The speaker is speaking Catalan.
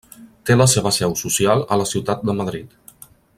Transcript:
Té la seva seu social a la ciutat de Madrid.